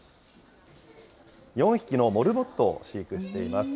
４匹のモルモットを飼育しています。